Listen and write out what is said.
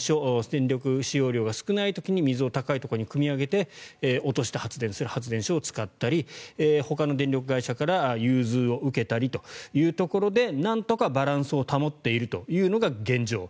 電力使用量が少ない時に水を高いところにくみ上げて落として発電する発電所を使ったりほかの電力会社から融通を受けたりというところでなんとかバランスを保っているのが現状。